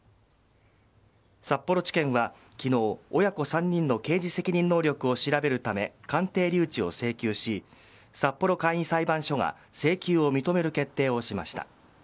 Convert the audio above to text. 札幌地検は昨日親子３人の刑事責任能力を調べるため鑑定留置を請求し札幌簡易裁判所が請求を認める決定をしました。